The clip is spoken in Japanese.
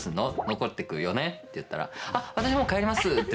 残ってくよね？って言ったら、私もう帰ります！って